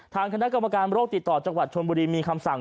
ทางคณะกรรมการโรคติดต่อจังหวัดชนบุรีมีคำสั่ง